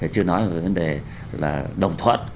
chưa nói về vấn đề là đồng thuận